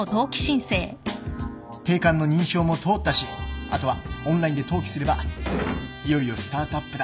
定款の認証も通ったしあとはオンラインで登記すればいよいよスタートアップだ。